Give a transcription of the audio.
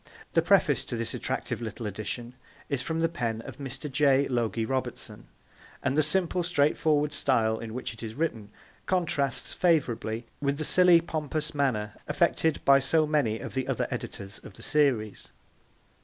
The preface to this attractive little edition is from the pen of Mr. J. Logie Robertson, and the simple, straightforward style in which it is written contrasts favourably with the silly pompous manner affected by so many of the other editors of the series.